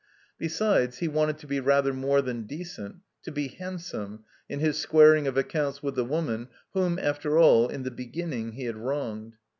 Besides, he wanted to be rather more than decent, to be handsome, in his squaring of accounts with the woman whom, after all, in the beginning he had wronged.